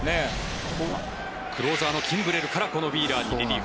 クローザーのキンブレルからこのウィーラーに。